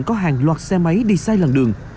có hàng loạt xe máy đi sai làn đường